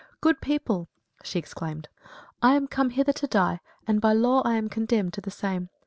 "Good people," she exclaimed, "I am come hither to die, and by law I am condemned to the same.